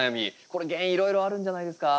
これ原因いろいろあるんじゃないですか？